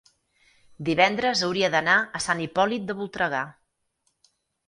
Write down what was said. divendres hauria d'anar a Sant Hipòlit de Voltregà.